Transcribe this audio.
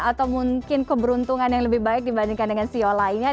atau mungkin keberuntungan yang lebih baik dibandingkan dengan sio lainnya